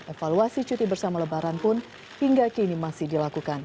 evaluasi cuti bersama lebaran pun hingga kini masih dilakukan